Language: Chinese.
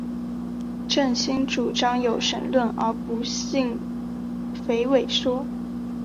郑兴主张有神论而不信谶纬说。